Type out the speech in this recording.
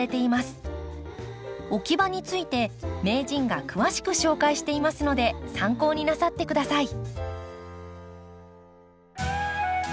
置き場について名人が詳しく紹介していますので参考になさって下さい。